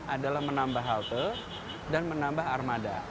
adalah menambah halte dan menambah armada